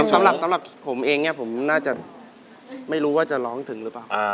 สำหรับผมเองเนี่ยผมน่าจะไม่รู้ว่าจะร้องถึงหรือเปล่า